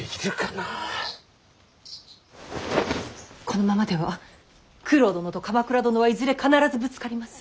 このままでは九郎殿と鎌倉殿はいずれ必ずぶつかります。